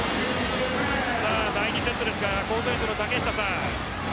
第２セットですがコートエンドの竹下さん。